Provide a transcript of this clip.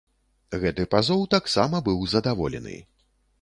Гэты пазоў таксама быў задаволены.